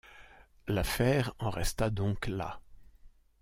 L’affaire en resta donc là.